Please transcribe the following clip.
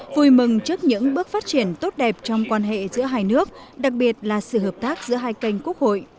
vui mừng trước những bước phát triển tốt đẹp trong quan hệ giữa hai nước đặc biệt là sự hợp tác giữa hai kênh quốc hội